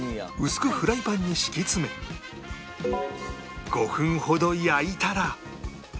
薄くフライパンに敷き詰め５分ほど焼いたら